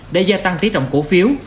để gia tăng tí trọng cổ phiếu